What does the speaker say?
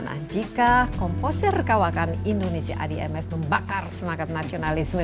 nah jika komposer kawakan indonesia idms membakar semangat nasionalisme